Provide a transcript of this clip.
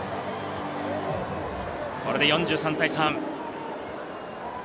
これで４３対３。